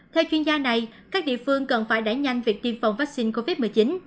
theo chuyên gia này các địa phương cần phải đẩy nhanh việc tiêm phòng vaccine covid một mươi chín